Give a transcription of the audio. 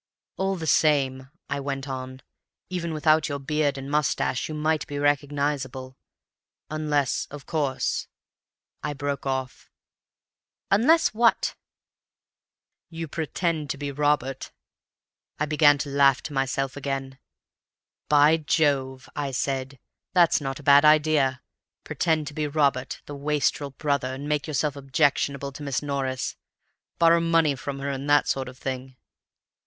"'All the same,' I went on, 'even without your beard and moustache you might be recognizable. Unless, of course—' I broke off. "'Unless what?' "'You pretend to be Robert.' I began to laugh to myself again. 'By Jove!' I said, 'that's not a bad idea. Pretend to be Robert, the wastrel brother, and make yourself objectionable to Miss Norris. Borrow money from her, and that sort of thing.